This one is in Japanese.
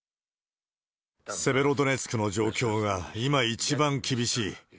セベロドネツクの状況が今、一番厳しい。